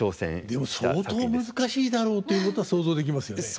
でも相当難しいだろうということは想像できますよね。